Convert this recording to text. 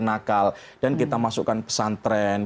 nakal dan kita masukkan pesantren